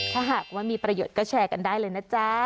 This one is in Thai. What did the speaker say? ถ้าหากว่ามีประโยชน์ก็แชร์กันได้เลยนะจ๊ะ